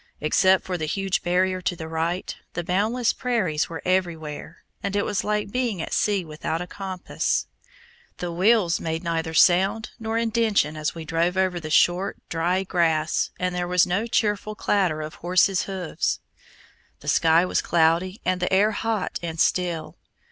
Except for the huge barrier to the right, the boundless prairies were everywhere, and it was like being at sea without a compass. The wheels made neither sound nor indentation as we drove over the short, dry grass, and there was no cheerful clatter of horses' hoofs. The sky was cloudy and the air hot and still.